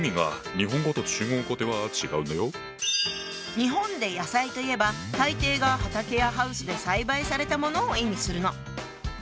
日本で「野菜」といえば大抵が畑やハウスで栽培されたものを意味するの。